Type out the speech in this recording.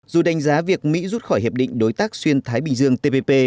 dù đánh giá việc mỹ rút khỏi hiệp định đối tác xuyên thái bình dương tpp